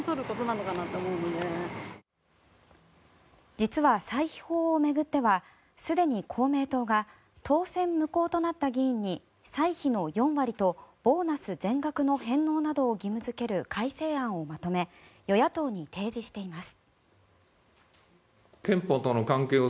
実は歳費法を巡ってはすでに公明党が当選無効となった議員に歳費の４割とボーナス全額の返納などを義務付ける改正案をまとめ与野党に提示しています。